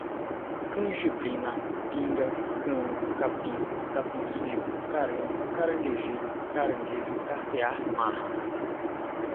canjibrina, pinga, cano, capim, capim sêco, carango, caranguejeiro, caranguejo, cartear marra